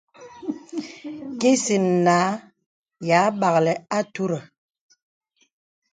Kìsin nǎ yâ bāklì àturə.